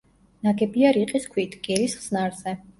ნაგებია რიყის ქვით კირის ხსნარზე.